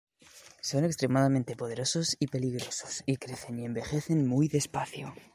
Son extremadamente poderosos y peligrosos, y crecen y envejecen muy despacio.